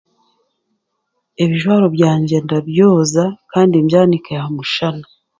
Ebijwaro byangye ndabyoza kandi mbyanike aha mushana